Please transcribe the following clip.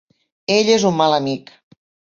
Ell és un mal amic.